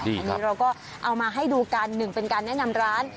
อันนี้เราก็เอามาให้ดูกันหนึ่งเป็นการแนะนำร้าน